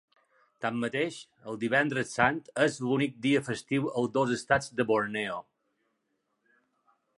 Tanmateix, el Divendres Sant és l'únic dia festiu als dos estats de Borneo.